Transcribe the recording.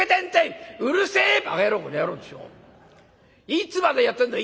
いつまでやってんだ！